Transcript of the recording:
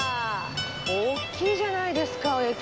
大きいじゃないですか駅。